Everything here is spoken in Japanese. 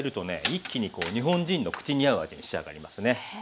一気に日本人の口に合う味に仕上がりますね。